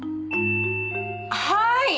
はい！